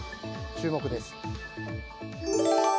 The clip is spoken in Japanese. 注目です。